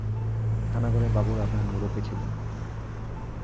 থানাগড়ের বাবুরা তাহার মুরুব্বি ছিলেন।